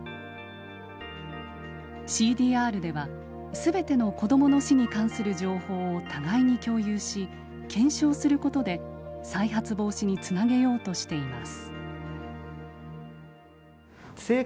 ＣＤＲでは全ての子どもの死に関する情報を互いに共有し検証することで再発防止につなげようとしています。